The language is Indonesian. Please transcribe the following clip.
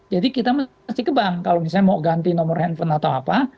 jadi kita masih kebang kalau misalnya mau ganti nomor handphone atau apa